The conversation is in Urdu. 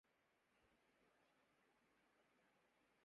اسکے شمال اور مغرب میں ضلع شیخوپورہ، مشرق میں واہگہ